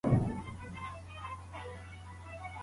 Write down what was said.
د ايلاء د مدې تر ختم وروسته دوی سره بيليږي.